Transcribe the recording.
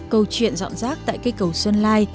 câu chuyện dọn rác tại cây cầu xuân lai